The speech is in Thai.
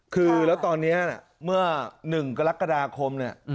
คือแล้วตอนนี้เนี่ยเมื่อ๑กฎาคมเนี่ย